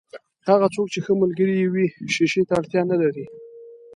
هغه څوک چې ښه ملګری يې وي، شیشې ته اړتیا نلري.